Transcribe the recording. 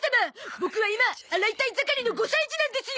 ボクは今洗いたい盛りの５歳児なんですよ！